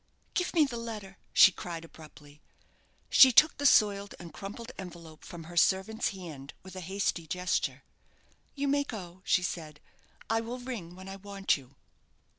"Give me the letter," she cried, abruptly. She took the soiled and crumpled envelope from her servant's hand with a hasty gesture. "You may go," she said; "I will ring when I want you."